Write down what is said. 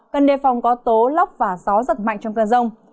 cần đề phòng có tố lốc và gió giật mạnh trong cơn rông